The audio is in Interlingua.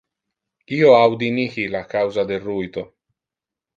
Io audi nihil a causa del ruito.